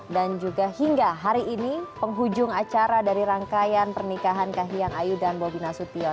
dan juga hingga hari ini penghujung acara dari rangkaian pernikahan kahiyang ayu dan bobina sutio